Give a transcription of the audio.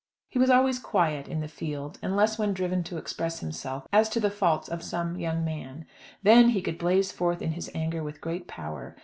He was always quiet in the field, unless when driven to express himself as to the faults of some young man. Then he could blaze forth in his anger with great power.